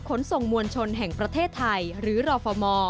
ขนส่งมวลชนแห่งประเทศไทยหรือรฟม